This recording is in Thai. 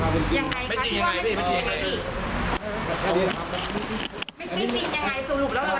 ได้ไม่มีอะไรครับ